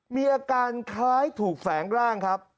มีอาการคล้ายถูกแฝงร่างครับ